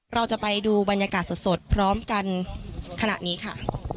เราจะไปดูบรรยากาศสดพร้อมกันขณะนี้ค่ะ